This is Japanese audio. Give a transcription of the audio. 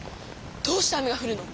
どうして雨がふるの？